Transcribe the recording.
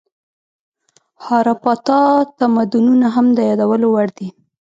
هاراپا تمدنونه هم د یادولو وړ دي.